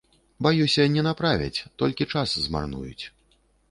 Баюся, не направяць, толькі час змарнуюць.